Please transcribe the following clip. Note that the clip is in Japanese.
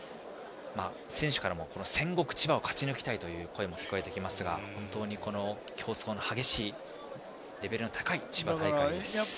選手からも戦国・千葉を勝ち抜きたいという声が聞こえてきましたが競争の激しいレベルの高い千葉大会。